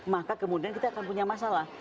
maka kemudian kita akan punya masalah